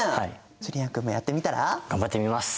ジュリアン君もやってみたら？頑張ってみます！